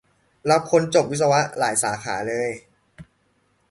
รับคนจบวิศวะหลายสาขาเลย